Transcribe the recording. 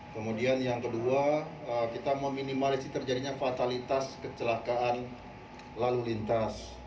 kemudian yang kedua kita meminimalisi terjadinya fatalitas kecelakaan lalu lintas